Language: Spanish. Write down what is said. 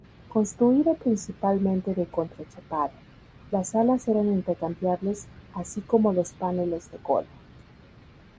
Construido principalmente de contrachapado, las alas eran intercambiables, así como los paneles de cola.